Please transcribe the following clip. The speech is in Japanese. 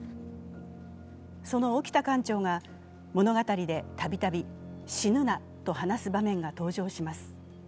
その沖田艦長が物語でたびたび「死ぬな」と話す場面が登場します。